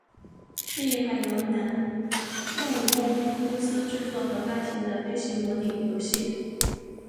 是一款由南梦宫公司制作和发行的飞行模拟游戏。